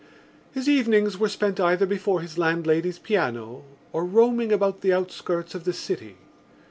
His evenings were spent either before his landlady's piano or roaming about the outskirts of the city.